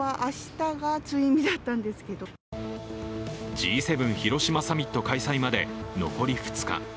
Ｇ７広島サミット開催まで残り２日。